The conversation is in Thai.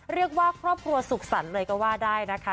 เรียกว่าครอบครัวสุขสรรค์เลยก็ว่าได้นะคะ